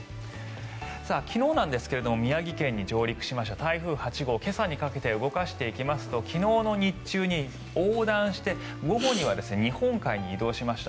昨日なんですが宮城県に上陸しました台風８号今朝にかけて動かしていきますと昨日の日中に横断して午後には日本海に移動しました。